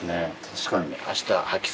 確かに。